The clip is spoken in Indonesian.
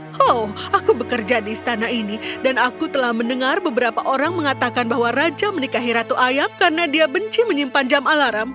oh aku bekerja di istana ini dan aku telah mendengar beberapa orang mengatakan bahwa raja menikahi ratu ayam karena dia benci menyimpan jam alarm